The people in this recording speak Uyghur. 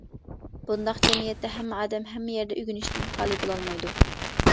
بۇنداق جەمئىيەتتە ھەممە ئادەم، ھەممە يەردە ئۆگىنىشتىن خالى بولالمايدۇ.